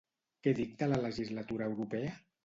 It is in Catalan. Què dicta la legislatura europea?